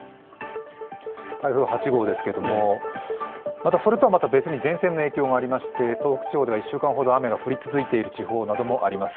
台風８号ですけれどもまたそれとは別に前線の影響がありまして東北地方では１週間ほど雨が降り続いている地方もあります。